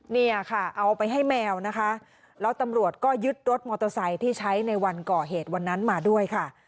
เนี่ยค่ะเอาไปให้แมวนะคะแล้วตำรวจก็ยึดรถมอเตอร์ไซค์ที่ใช้ในวันก่อเหตุวันนั้นมาด้วยค่ะ